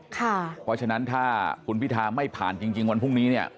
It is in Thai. เพราะฉะนั้นถ้าคุณพิธาไม่ผ่านจริงวันพรุ่งนี้เนี่ย